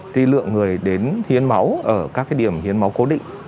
tuy lượng người đến hiến máu ở các điểm hiến máu cố định